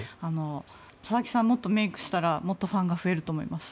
佐々木さん、もっとメイクしたらもっとファンが増えると思います。